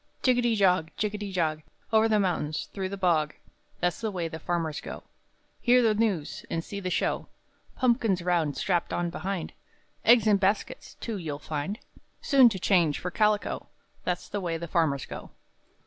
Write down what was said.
[Roughly] Jiggety jog, jiggety jog, Over the mountain, through the bog That's the way the farmers go, Hear the news and see the show; Pumpkins round strapped on behind, Eggs in baskets, too, you'll find, Soon to change for calico That's the way the farmers go.